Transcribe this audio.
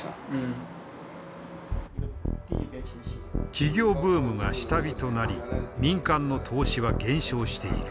起業ブームが下火となり民間の投資は減少している。